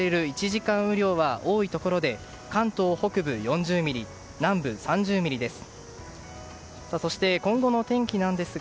１時間雨量は多いところで関東北部、４０ミリ南部、３０ミリです。